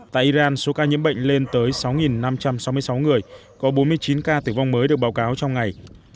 tại iran số ca nhiễm bệnh lên tới sáu năm trăm sáu mươi sáu người có bốn mươi chín ca tử vong mới được báo cáo trong ngày